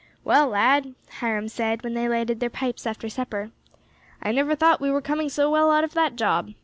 "Well, lad," Hiram said, when they lighted their pipes after supper, "I never thought we were coming so well out of that job.